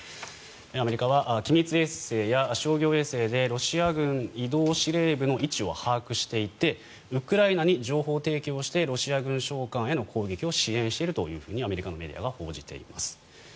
アメリカは機密衛星や商業衛星でロシア軍移動司令部の位置を把握していてウクライナに情報提供してロシア軍将官への攻撃を支援しているとアメリカのメディアが報じています。